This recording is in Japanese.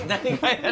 あれ。